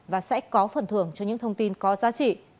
và sẽ có phần thưởng cho những thông tin có giá trị